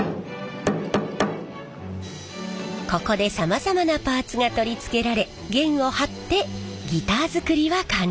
ここでさまざまなパーツが取り付けられ弦を張ってギター作りは完了。